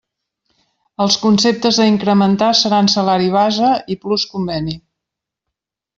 Els conceptes a incrementar seran salari base i plus conveni.